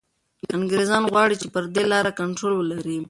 انګریزان غواړي چي پر دې لاره کنټرول ولري.